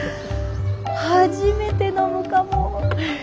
初めて飲むかも。